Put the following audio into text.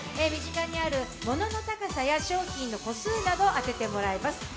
身近にあるものの高さや商品の個数などを当ててもらいます。